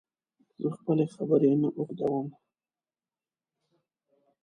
زه خپلي خبري نه اوږدوم